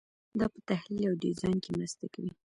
دا په تحلیل او ډیزاین کې مرسته کوي.